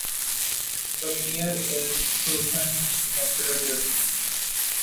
The Mayor is Susan Netardus.